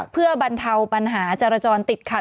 เพื่อบรรเทาปัญหาจรจรติดขัด